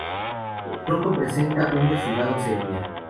El tronco presenta un exudado sepia.